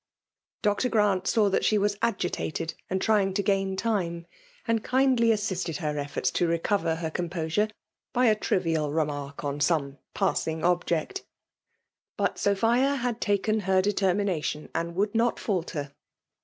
Dr. Ghrant saw that she was agitated and trying to gain time ; and kindly assisted her efforts to recover her composure by a trivial remark on some passing object. But Sophia had taken her determination, and would not falter.